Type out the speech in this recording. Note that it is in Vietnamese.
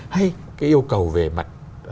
hay yêu cầu về mặt